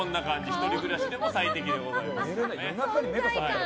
１人暮らしでも最適でございます。